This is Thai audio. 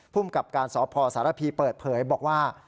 ผู้มกับการสอบพ่อสารพีเปิดเผยบอกว่า